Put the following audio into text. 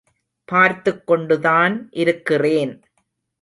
பார்த்துக் கொண்டுதான் இருக்கிறேன்.